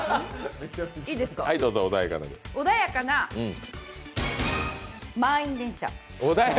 おだやかな、満員電車。